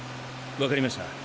わかりました。